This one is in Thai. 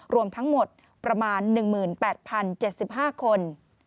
รวมทั้งหมดประมาณ๑๘๐๗๕คน